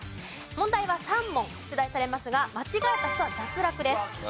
問題は３問出題されますが間違えた人は脱落です。